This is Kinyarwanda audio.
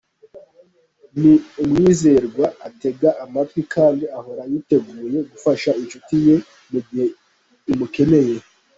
Ni umwizerwa, atega amatwi kandi ahora yiteguye gufasha inshuti ye mu gihe imukeneye.